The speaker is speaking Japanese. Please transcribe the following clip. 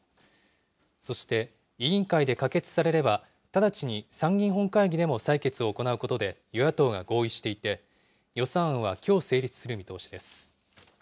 そして委員会で可決されれば、直ちに参議院本会議でも採決を行うことで与野党が合意していて、予算案はきょう成立する見通しです。